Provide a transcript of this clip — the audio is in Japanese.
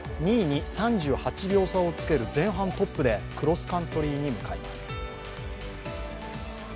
２位に３８秒差をつける前半トップでクロスカントリーに向かいます。